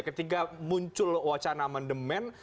ketika muncul wacana mendemen